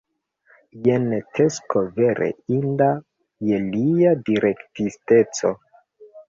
Jen tasko vere inda je lia direktisteco.